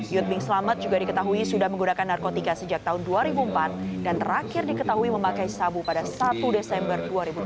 yut bing selamat juga diketahui sudah menggunakan narkotika sejak tahun dua ribu empat dan terakhir diketahui memakai sabu pada satu desember dua ribu dua puluh